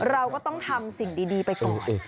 เราก็ต้องทำสิ่งดีไปก่อน